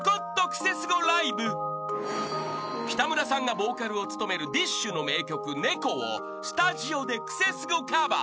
［北村さんがボーカルを務めるＤＩＳＨ／／の名曲『猫』をスタジオでクセスゴカバー］